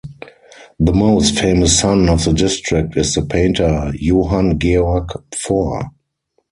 The most famous son of the district is the painter Johann Georg Pforr.